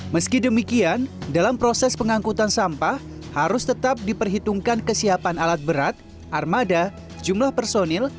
meski demikian dalam proses pengangkutan sampah harus tetap diperhitungkan kesiapan alat berat armada jumlah personil